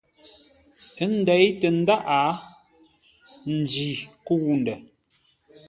Ə́ ndéi tə ndáʼ, njî kə̂u ndə̂.